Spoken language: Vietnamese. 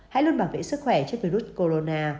hãy luôn bảo vệ sức khỏe cho virus corona